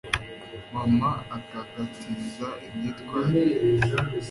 mama akagatiza imyitwarire